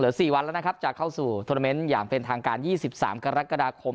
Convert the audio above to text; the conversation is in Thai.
๔วันแล้วนะครับจะเข้าสู่โทรเมนต์อย่างเป็นทางการ๒๓กรกฎาคม